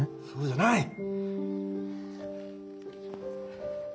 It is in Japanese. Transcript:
そうじゃない！